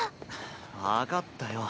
分かったよ。